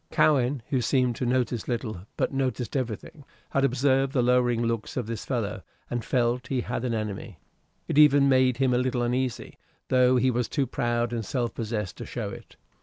Cowen, who seemed to notice little, but noticed everything, had observed the lowering looks of this fellow, and felt he had an enemy: it even made him a little uneasy, though he was too proud and self possessed to show it.